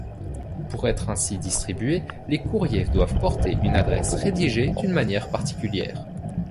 Pour être ainsi distribués, les courriers doivent porter une adresse rédigée d'une manière particulière.